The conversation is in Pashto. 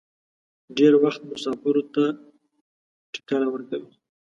ډېر وخت مسافرو ته ټکله ورکوي.